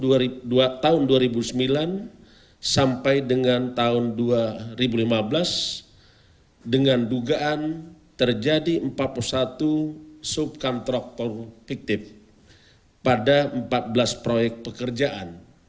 dari tahun dua ribu sembilan sampai dengan tahun dua ribu lima belas dengan dugaan terjadi empat puluh satu subkontraktor fiktif pada empat belas proyek pekerjaan